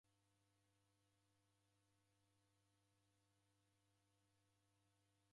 Odeghora ni suti ughushe wurigha.